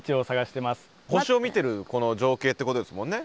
星を見てるこの情景ってことですもんね？